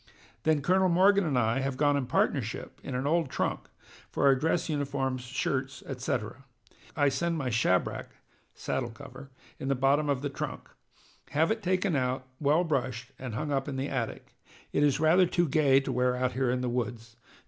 Then Colonel Morgan and I have gone in partnership in an old trunk, for our dress uniforms, shirts, etc. I send my shabrack [saddle cover] in the bottom of the trunk. Have it taken out, well brushed, and hung up in the attic. It is rather too gay to wear out here in the woods.